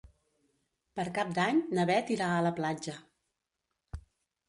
Per Cap d'Any na Bet irà a la platja.